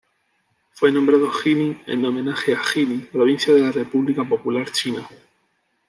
Fue nombrado Jilin en homenaje a Jilin provincia de la República Popular China.